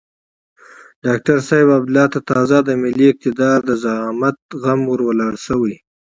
ډاکتر صاحب عبدالله ته تازه د ملي اقتدار د زعامت غم ور ولاړ شوی.